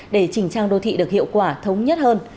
để chỉnh trang đô thị được hiệu quả thống nhất hơn